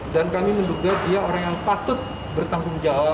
dan kami menduga dia orang yang patut bertanggung jawab